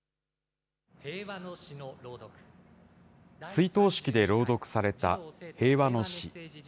追悼式で朗読された平和の詩。